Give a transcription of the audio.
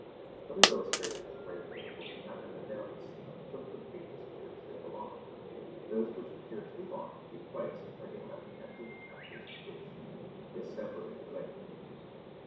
Other illustrations of Waverley will be found in the Notes at the foot of the pages to which they belong. Those which appeared too long to be so placed are given at the end of the chapters to which they severally relate.